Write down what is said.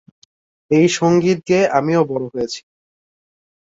এই সংগীত গেয়ে আমিও বড় হয়েছি।